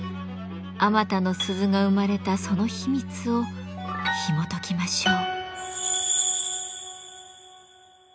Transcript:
あまたの鈴が生まれたその秘密をひもときましょう。